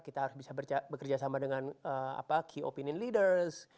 kita harus bisa bekerja sama dengan key opinion leaders